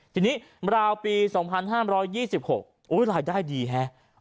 ทีนี้ราวปี๒๕๒๖รายได้ดีฮะ